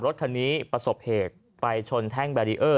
รถคันนี้ประสบเหตุไปชนแท่งแบรีเออร์